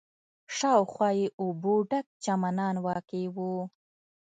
شاوخوا یې اوبو ډک چمنان واقع و.